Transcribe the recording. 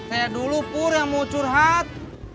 kayak dulu pur yang mau curhat